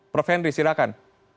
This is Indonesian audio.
prof henry silahkan